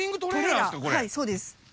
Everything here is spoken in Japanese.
はいそうです。